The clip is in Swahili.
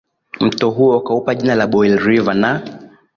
mto huo wakaupa jina la Boil River na